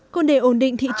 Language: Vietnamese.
còn để ổn định